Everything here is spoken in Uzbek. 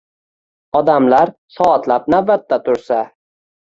Odamlar soatlab navbatda tursa?